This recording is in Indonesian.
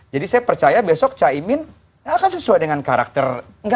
jadi saya percaya besok caimin akan sesuai dengan karakter